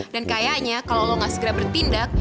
dan kayaknya kalo lo ga segera bertindak